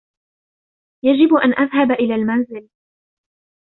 يجب أن أذهب إلي المنزل.